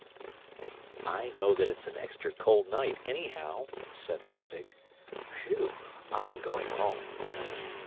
"I know it's an extra cold night anyhow," said Ludwig. "Whew! I'm going home!"